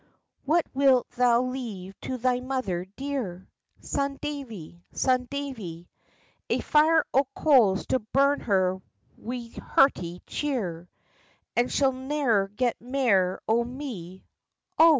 "What wilt thou leave to thy mother dear? Son Davie! Son Davie!" "A fire o' coals to burn her wi' hearty cheer, And she'll never get mair o' me, O."